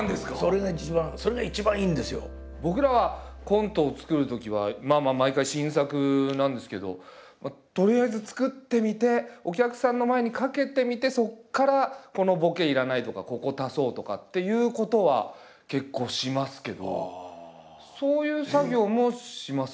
僕らはコントを作るときはまあ毎回新作なんですけどとりあえず作ってみてお客さんの前にかけてみてそこからこのボケ要らないとかここを足そうとかっていうことは結構しますけどそういう作業もしますか？